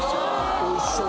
おいしそう。